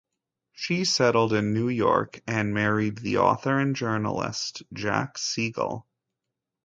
She settled in New York and married the author and journalist Jack Siegel.